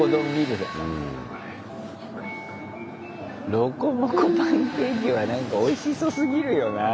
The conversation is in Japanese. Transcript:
ロコモコパンケーキはなんかおいしそすぎるよなぁ。